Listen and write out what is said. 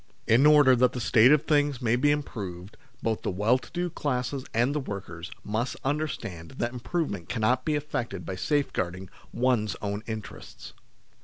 In order that the state of things may be improved, both the well to do classes and the workers must understand that improvement can not be effected by safeguarding one's own WHAT SHOULD EACH MAN DO? 117 interests.